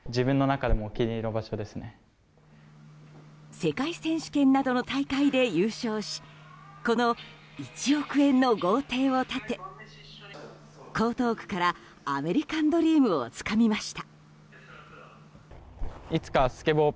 世界選手権などの大会で優勝しこの１億円の豪邸を建て江東区からアメリカンドリームをつかみました。